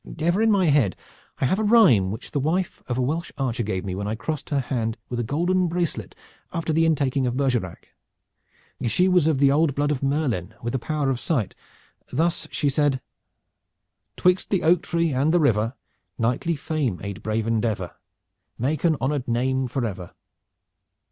Ever in my head I have a rhyme which the wife of a Welsh archer gave me when I crossed her hand with a golden bracelet after the intaking of Bergerac. She was of the old blood of Merlin with the power of sight. Thus she said "'Twixt the oak tree and the river Knightly fame aid brave endeavor Make an honored name forever.'